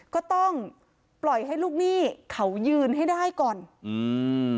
ก็ต้องปล่อยให้ลูกหนี้เขายืนให้ได้ก่อนอืม